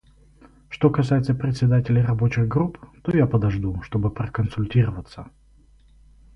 Что касается председателей рабочих групп, то я подожду, чтобы проконсультироваться.